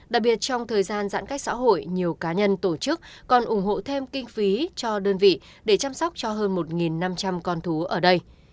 đặc biệt trong thời gian giãn cách xã hội nhiều cá nhân tổ chức còn ủng hộ thêm kinh phí cho đơn vị để chăm sóc cho hơn một năm trăm linh con thú ở đây